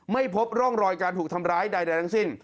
ไม่พบร่องรอยการถูกทำร้ายใดทั้งสิ้น